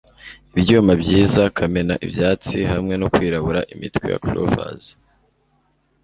IbyumabyizaKamenaibyatsi hamwe no kwirabura imitwe ya clovers